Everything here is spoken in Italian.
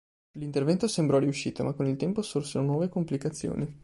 L'intervento sembrò riuscito, ma con il tempo sorsero nuove complicazioni.